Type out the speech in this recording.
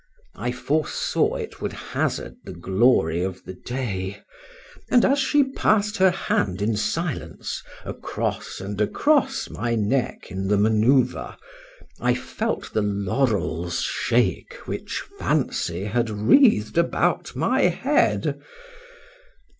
—I foresaw it would hazard the glory of the day; and, as she pass'd her hand in silence across and across my neck in the manœuvre, I felt the laurels shake which fancy had wreath'd about my head.